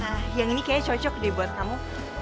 nah yang ini kayaknya cocok deh buat kamu